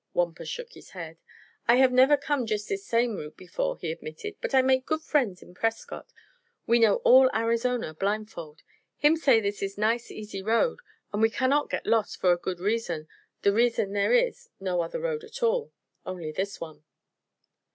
Wampus shook his head. "I have never come jus' this same route before," he admitted; "but I make good friend in Prescott, who know all Arizona blindfold. Him say this is nice, easy road and we cannot get lost for a good reason the reason there is no other road at all only this one."